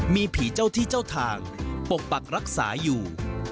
มีผีเจ้าที่เจ้าทางปกปักรักษาอยู่